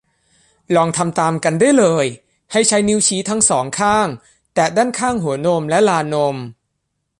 ลองทำตามกันได้เลย ให้ใช้นิ้วชี้ทั้ง สอง ข้างแตะด้านข้างหัวนมและลานนม